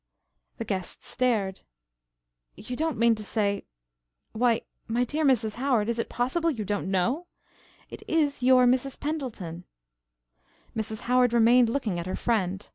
The guest stared. "You don't mean to say why, my dear Mrs. Howard is it possible you don't know? It is your Mrs. Pendleton." Mrs. Howard remained looking at her friend.